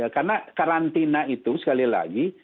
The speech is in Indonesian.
karena karantina itu sekali lagi